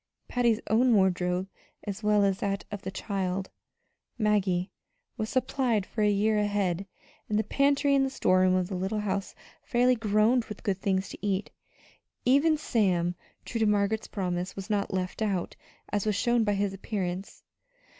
Patty's own wardrobe, as well as that of the child, Maggie, was supplied for a year ahead; and the pantry and the storeroom of the little house fairly groaned with good things to eat. Even Sam, true to Margaret's promise, was not "left out," as was shown by his appearance.